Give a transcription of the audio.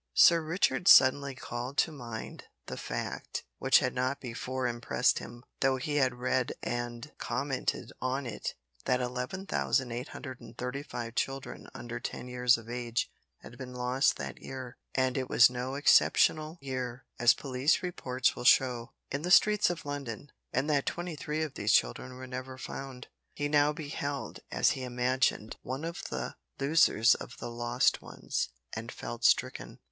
Sir Richard suddenly called to mind the fact which had not before impressed him, though he had read and commented on it that 11,835 children under ten years of age had been lost that year, (and it was no exceptional year, as police reports will show), in the streets of London, and that 23 of these children were never found. He now beheld, as he imagined, one of the losers of the lost ones, and felt stricken.